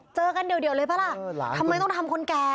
เจอกันเดี่ยวเลยป่ะล่ะทำไมต้องทำคนแก่